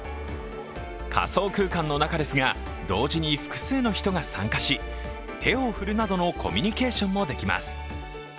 仮想空間の中ですが同時に複数の人が参加し手を振るなどのコミュニケーションもできます。